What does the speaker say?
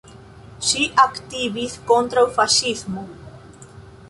Ŝi aktivis kontraŭ faŝismo.